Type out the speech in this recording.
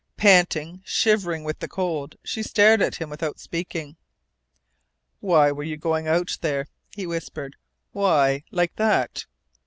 Panting, shivering with the cold, she stared at him without speaking. "Why were you going out there?" he whispered. "Why like that?"